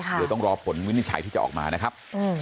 เดี๋ยวต้องรอผลวินิจฉัยที่จะออกมานะครับ